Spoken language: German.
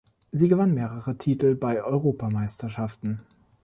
Sie gewann mehrere Titel bei Europameisterschaften.